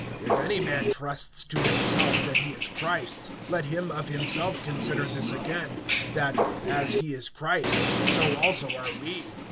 If any man trusts to himself that he is Christ's, let him of himself consider this again, that, as he is Christ's, so also are we.